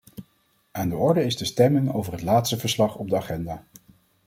Aan de orde is de stemming over het laatste verslag op de agenda.